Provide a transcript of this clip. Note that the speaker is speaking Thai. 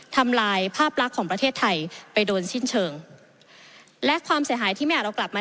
ทำลายภาพลักษณ์ของประเทศไทยไปโดนสิ้นเชิงและความเสียหายที่ไม่อาจเรากลับมา